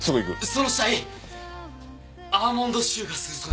その死体アーモンド臭がするそうです。